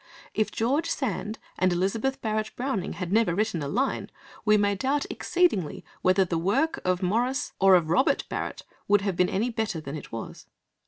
If George Sand and Elizabeth Barrett Browning had never written a line, we may doubt exceedingly whether the work of Maurice or of Robert Barrett would have been any better than it was.